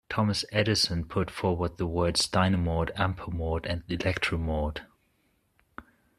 Thomas Edison put forward the words "dynamort", "ampermort" and "electromort".